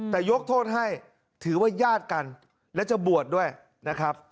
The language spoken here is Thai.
แต่ยกโทษให้ถือว่าญาติกันและจะบวชด้วยนะครับ